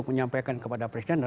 berapaipsanya lebih titik